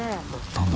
［何だ？